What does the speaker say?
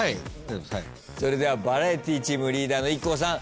それではバラエティチームリーダーのＩＫＫＯさん